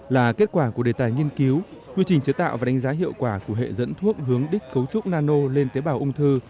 là kết quả của đề tài nghiên cứu quy trình chế tạo và đánh giá hiệu quả của hệ dẫn thuốc hướng đích cấu trúc nano lên tế bào ung thư